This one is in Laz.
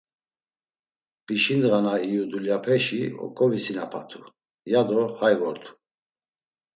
“Pişindğa na iyu dulyapeşi oǩovisinapatu, ya do hay vortu.”